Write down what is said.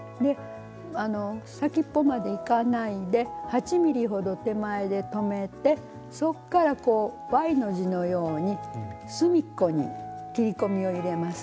先っぽまでいかないで８ｍｍほど手前で止めてそこからＹの字のように隅っこに切り込みを入れます。